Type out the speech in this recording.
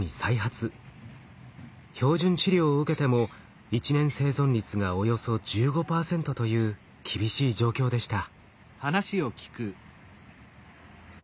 標準治療を受けても１年生存率がおよそ１５％という厳しい状況でした。